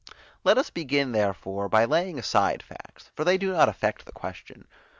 Let us begin therefore, by laying aside facts, for they do not affect the question.